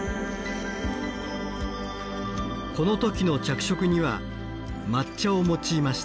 この時の着色には抹茶を用いました。